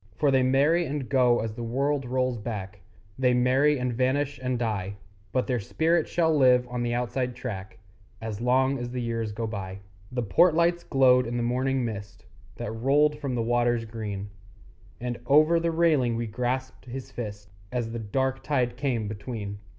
For they marry and go as the world rolls back, They marry and vanish and die; But their spirit shall live on the Outside Track As long as the years go by. The port lights glowed in the morning mist That rolled from the waters green; And over the railing we grasped his fist As the dark tide came between.